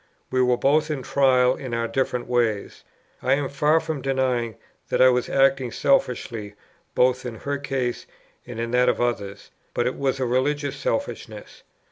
We were both in trial in our different ways. I am far from denying that I was acting selfishly both in her case and in that of others; but it was a religious selfishness.